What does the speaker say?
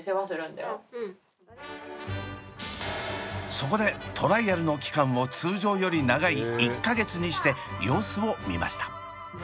そこでトライアルの期間を通常より長い１か月にして様子を見ました。